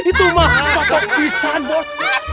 itu mah cocok fisan bos